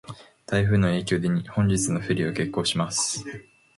台風の影響で、本日のフェリーは欠航します。